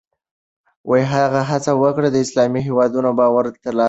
هغه هڅه وکړه د اسلامي هېوادونو باور ترلاسه کړي.